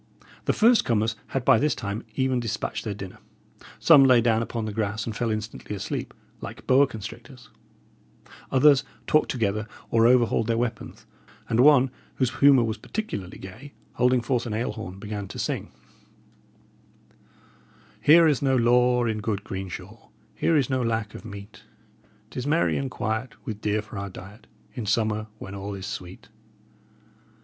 The first comers had by this time even despatched their dinner. Some lay down upon the grass and fell instantly asleep, like boa constrictors; others talked together, or overhauled their weapons: and one, whose humour was particularly gay, holding forth an ale horn, began to sing: "Here is no law in good green shaw, Here is no lack of meat; 'Tis merry and quiet, with deer for our diet, In summer, when all is sweet.